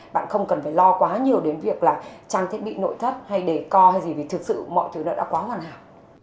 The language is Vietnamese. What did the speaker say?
bạn không cần phải lo quá nhiều đến việc là trang thiết bị nội thất hay đề co hay gì vì thực sự mọi thứ nó đã quá hoàn hảo